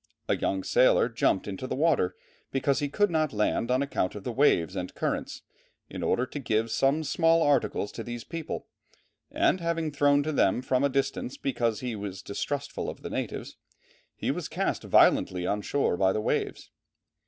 A young sailor jumped into the water "because he could not land on account of the waves and currents, in order to give some small articles to these people, and having thrown them to them from a distance because he was distrustful of the natives, he was cast violently on shore by the waves.